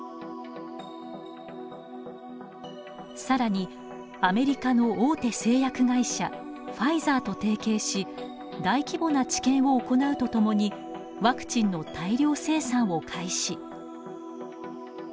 更にアメリカの大手製薬会社ファイザーと提携し大規模な治験を行うとともにワクチンの大量生産を開始。